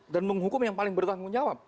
dan menghukum yang paling bertanggung jawab